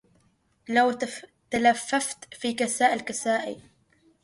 لو تلففت في كساء الكسائي